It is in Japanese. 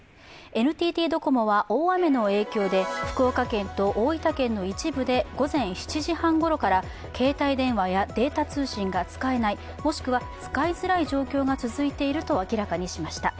ＮＴＴドコモは大雨の影響で福岡県と大分県の一部で午前７時半ごろから携帯電話やデータ通信が使えない、もしくは使いづらい状況が続いていると明らかにしました。